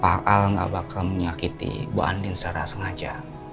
pak al enggak bakal menyakiti bu andien secara sengaja